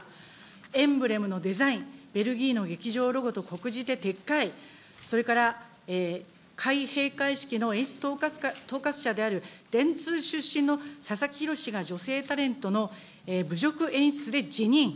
エンブレムのデザイン、ベルギーの劇場ロゴと酷似で撤回、それから、開閉会式の演出統括者である電通出身のささきひろし氏が女性タレントの侮辱演出で辞任。